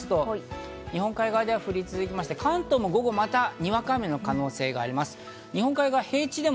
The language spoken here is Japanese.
この後を見てみますと日本海側で降り続いていて、関東でも午後、にわか雨の可能性があります。